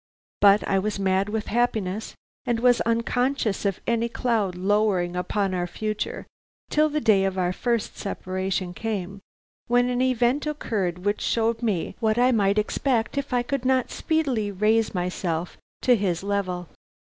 But I was mad with happiness, and was unconscious of any cloud lowering upon our future till the day of our first separation came, when an event occurred which showed me what I might expect if I could not speedily raise myself to his level.